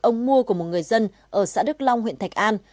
ông mua của một người dân ở xã đức long huyện thạch an